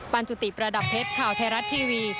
จุติประดับเพชรข่าวไทยรัฐทีวี